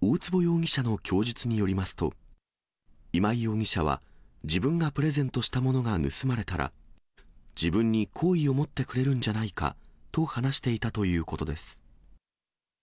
大坪容疑者の供述によりますと、今井容疑者は、自分がプレゼントしたものが盗まれたら、自分に好意を持ってくれるんじゃないかと話していたということです。